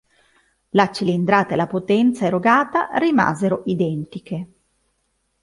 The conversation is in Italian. La cilindrata e la potenza erogata rimasero identiche.